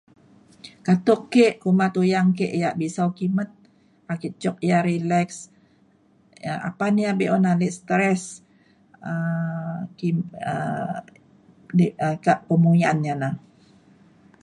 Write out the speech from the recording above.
katuk ke kuma tuyang ke yak bisau kimet ake cuk ya relax apan ia’ be’un ale stress um ki- di kak pemuyan ia’ na